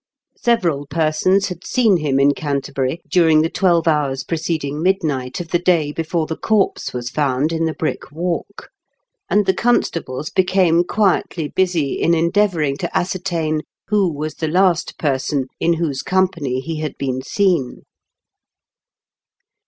Several persons had seen him in Canterbury during the twelve hours preceding midnight of the day before the corpse was found in the Brick Walk, and the constables became quietly busy in endeavouring to ascertain who was THE DOOMED OF THE DARK ENTRY. 193 the last person in whose company he had been seen.